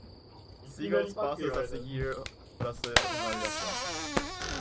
Siga os passos a seguir para deixar sua avaliação: